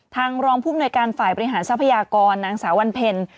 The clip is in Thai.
รองภูมิหน่วยการฝ่ายบริหารทรัพยากรนางสาววันเพ็ญ